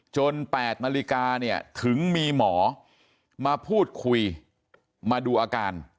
๘นาฬิกาเนี่ยถึงมีหมอมาพูดคุยมาดูอาการ